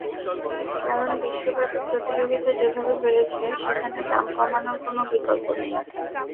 কারণ, বিশ্বব্যাপী প্রতিযোগিতা যেভাবে বেড়েছে, সেখানে দাম কমানোর কোনো বিকল্প নেই।